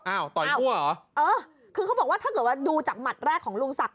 ต่อยคั่วเหรอเออคือเขาบอกว่าถ้าเกิดว่าดูจากหมัดแรกของลุงศักดิ